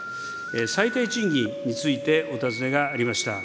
最低賃金についてお尋ねがありました。